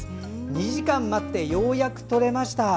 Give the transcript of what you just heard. ２時間待ってようやく撮れました。